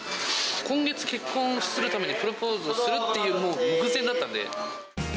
今月結婚するために、プロポーズするっていうもう目前だったんで。